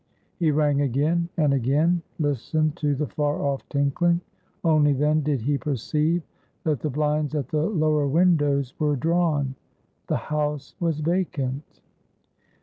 He rang again, and again listened to the far off tinkling. Only then did he perceive that the blinds at the lower windows were drawn. The house was vacant.